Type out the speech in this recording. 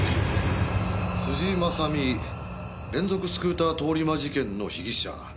辻正巳連続スクーター通り魔事件の被疑者。